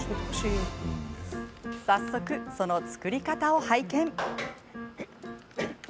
早速、その作り方を拝見。